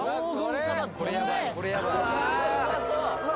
うわ